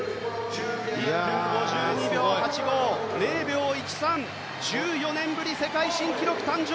１分５２秒８５、０秒１３１４年ぶりに世界新記録誕生。